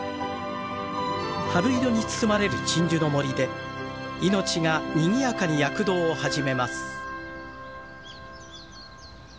春色に包まれる鎮守の森で命がにぎやかに躍動を始めます。